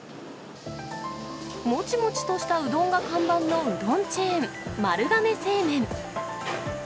もちもちとしたうどんが看板のうどんチェーン、丸亀製麺。